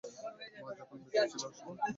মা যখন বেঁচে ছিলো, সে গরিব ছিলো।